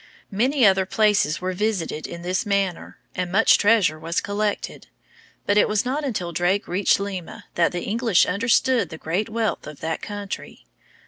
Many other places were visited in this manner, and much treasure was collected; but it was not until Drake reached Lima that the English understood the great wealth of that country.